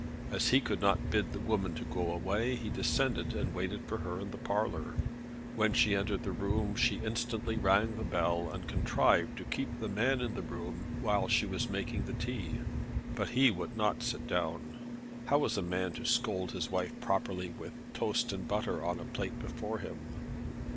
As he could not bid the woman go away, he descended and waited for her in the parlour. When she entered the room she instantly rang the bell and contrived to keep the man in the room while she was making the tea. But he would not sit down. How is a man to scold his wife properly with toast and butter on a plate before him?